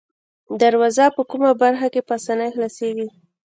دروازه په کومه برخه کې په آسانۍ خلاصیږي؟